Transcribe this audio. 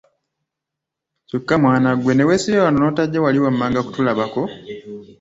Kyokka mwana ggwe ne weesibira wano n’otajja wali wammanga kutulabako!